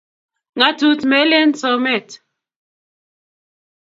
Ngatut melen someet.